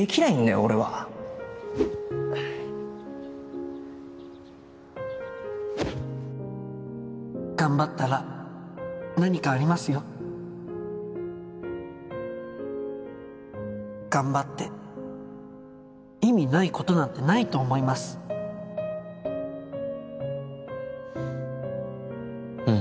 俺は頑張ったら何かありますよ頑張って意味ないことなんてないと思うん